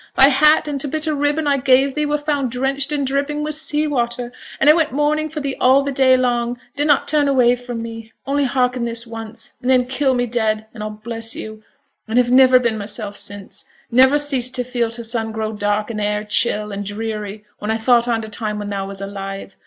Thy hat and t' bit o' ribbon I gave thee were found drenched and dripping wi' sea water; and I went mourning for thee all the day long dunnot turn away from me; only hearken this once, and then kill me dead, and I'll bless yo', and have niver been mysel' since; niver ceased to feel t' sun grow dark and th' air chill and dreary when I thought on t' time when thou was alive.